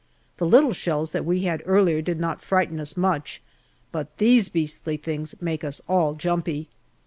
The little shells that we had earlier did not frighten us much, but these beastly things make us all jumpy.